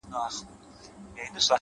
زه د بل له ښاره روانـېـږمـه؛